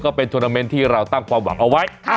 ก็เป็นทวนาเมนต์ที่เราตั้งความหวังเอาไว้